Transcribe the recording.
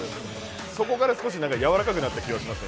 そこからやわらかくなった気がします。